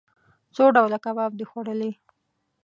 څو ډوله کباب د خوړلئ؟